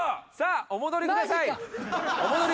お戻りください！